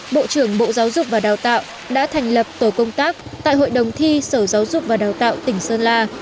bộ trưởng bộ giáo dục và đào tạo đã thành lập tổ công tác tại hội đồng thi sở giáo dục và đào tạo tỉnh sơn la